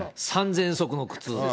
３０００足の靴。